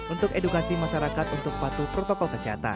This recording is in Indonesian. untuk edukasi masyarakat untuk patuh protokol kesehatan